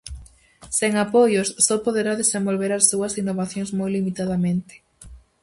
Sen apoios, só poderá desenvolver as súas innovacións moi limitadamente.